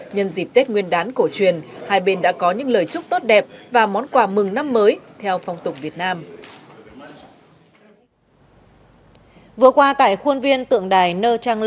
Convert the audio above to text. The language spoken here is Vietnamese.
nhân dịp tết nguyên đán cổ truyền hai bên đã có những lời chúc tốt đẹp và món quà mừng năm mới theo phong tục việt nam